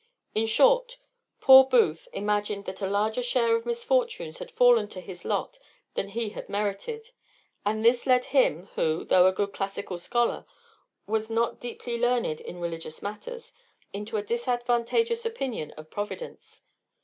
In short, poor Booth imagined that a larger share of misfortunes had fallen to his lot than he had merited; and this led him, who (though a good classical scholar) was not deeply learned in religious matters, into a disadvantageous opinion of Providence.